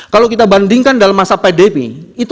kalau kita bandingkan dalam masa pandemi